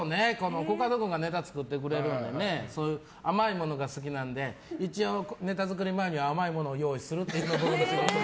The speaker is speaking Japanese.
コカド君がネタを作ってくれるので甘いものが好きなので一応、ネタ作り前には甘いものを用意するっていう。